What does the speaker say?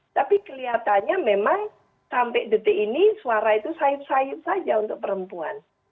tapi kelihatannya memang sampai detik ini suara itu sayup sayup saja untuk perempuan